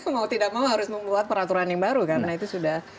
mau tidak mau harus membuat peraturan yang baru karena itu sudah